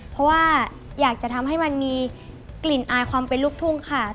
เพราะว่าอยากจะทำให้มันมีกลิ่นอายความเป็นลูกทุ่งค่ะ